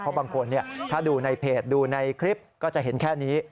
เพราะบางคนถ้าดูในเพจดูในคลิปก็จะเห็นแค่นี้